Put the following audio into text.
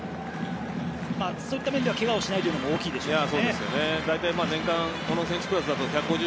そういった面ではけがをしないっていうのも大きいでしょうね。